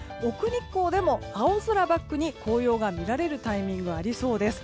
日光でも青空バックに紅葉が見られるタイミングありそうです。